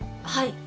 はい。